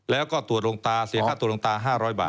แล้วก็ตรวจลงตาเสียค่าตัวลงตา๕๐๐บาท